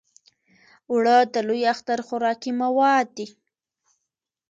اوړه د لوی اختر خوراکي مواد دي